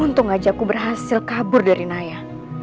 untung aja aku berhasil kabur dari naya